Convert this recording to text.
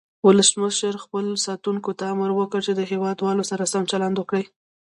ولسمشر خپلو ساتونکو ته امر وکړ چې د هیواد والو سره سم چلند وکړي.